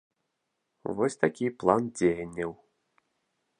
Вось такі план дзеянняў.